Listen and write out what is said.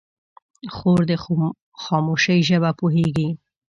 خور د خاموشۍ ژبه پوهېږي.